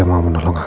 apa dia kerja sana